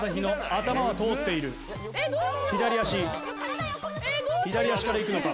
左足左足から行くのか？